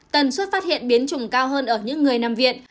tần suốt phát hiện biến chủng cao hơn ở những người nằm viện